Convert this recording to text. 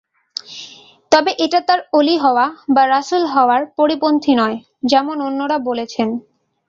তবে এটা তার ওলী হওয়া বা রাসূল হওয়ার পরিপন্থী নয়, যেমন অন্যরা বলেছেন।